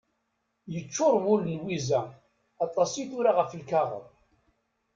Yeččur wul n Lwiza, aṭas i d-tura ɣef lkaɣeḍ.